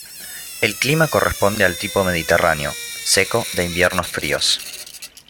El clima corresponde al tipo Mediterráneo, seco de inviernos fríos.